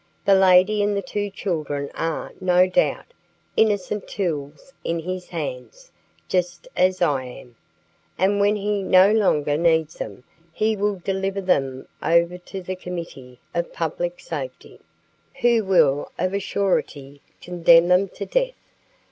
The lady and the two children are, no doubt, innocent tools in his hands, just as I am, and when he no longer needs them he will deliver them over to the Committee of Public Safety, who will, of a surety, condemn them to death.